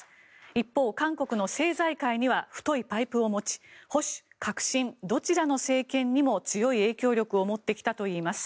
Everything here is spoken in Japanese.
一方、韓国の政財界には太いパイプを持ち保守・革新どちらの政権にも強い影響力を持ってきたといいます。